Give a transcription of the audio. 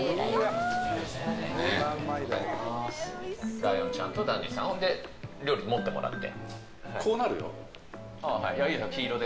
ライオンちゃんとダンディさんで料理持ってもらって。